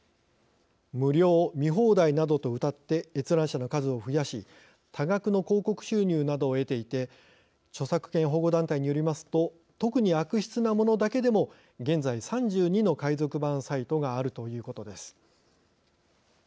無料見放題などとうたって閲覧者の数を増やし多額の広告収入などを得ていて著作権保護団体によりますと特に悪質なものだけでも現在３２の海賊版サイトがあるということです。